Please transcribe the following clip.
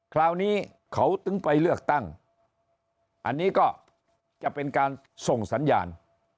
คราวนี้เขาถึงไปเลือกตั้งอันนี้ก็จะเป็นการส่งสัญญาณ